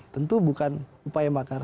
tentu bukan upaya makar